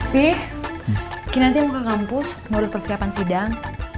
fi kita nanti mau ke kampus mau persiapan sidang